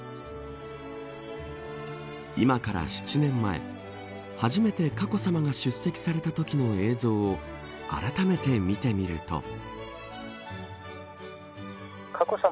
今から７年前初めて佳子さまが出席されたときの映像をあらためて見てみると。